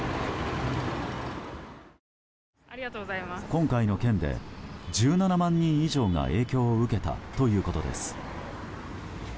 今回の件で１７万人以上が影響を受けたということです。